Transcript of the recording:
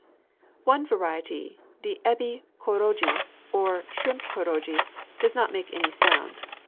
_" One variety, the ebi kōrogi, or "shrimp kōrogi," does not make any sound.